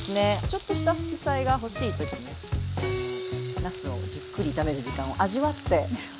ちょっとした副菜が欲しい時になすをじっくり炒める時間を味わって。